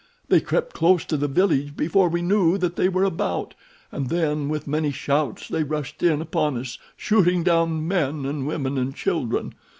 They crept close to the village before we knew that they were about, and then, with many shouts, they rushed in upon us, shooting down men, and women, and children.